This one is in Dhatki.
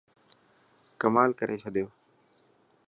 ڪمال ڪاري ڇڏيو.